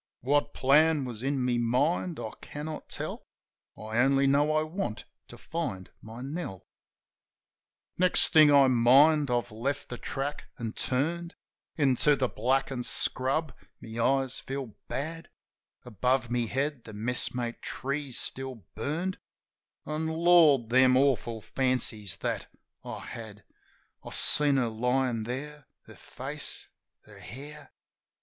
What plan was in my mind I cannot tell; I only know I want to find my Nell. FLAMES 85 Next thing I mind, I've left the track, an' turned Into the blackened scrub — my eyes feel bad — Above my head the messmate trees still burned. An' Lord, them awful fancies that I had! I seen her lyin' there — her face — her hair.